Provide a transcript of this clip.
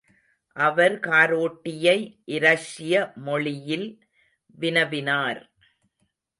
அவர் காரோட்டியை இரஷ்ய மொழியில் வினவினார்.